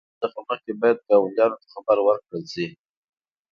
د کار پیلولو څخه مخکې باید ګاونډیانو ته خبر ورکړل شي.